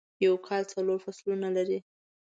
یوکال څلورفصلونه لري ..